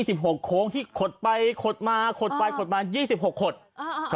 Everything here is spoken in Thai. นับได้๒๖โค้งที่ขดไปขดมาขดไปขดมา๒๖โค้ง